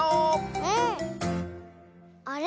うん。あれ？